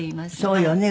そうよね。